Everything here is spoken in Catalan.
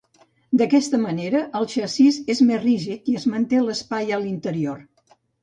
D'aquesta manera, el xassís és més rígid i es manté l'espai a l'interior.